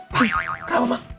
hah kenapa mak